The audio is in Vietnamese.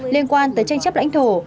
liên quan tới tranh chấp lãnh thổ